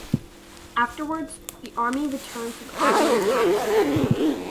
Afterwards the army returned to the Ottoman capital.